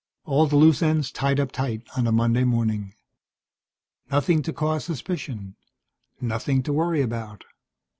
All the loose ends tied up tight on a Monday morning. Nothing to cause suspicion. Nothing to worry about.